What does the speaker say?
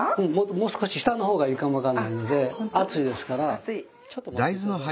もう少し下のほうがいいかも分かんないので熱いですからちょっと待っていただいて。